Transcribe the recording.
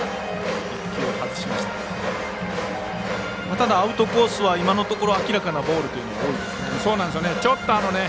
ただ、アウトコースは今のところ明らかなボールが多いですね。